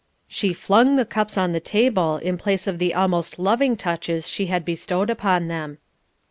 She flung the cups on the table in place of the almost loving touches she had bestowed upon them.